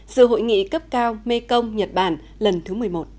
sự hội nghị cấp cao mekong nhật bản lần thứ một mươi một